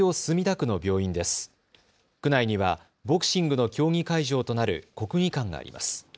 区内にはボクシングの競技会場となる国技館があります。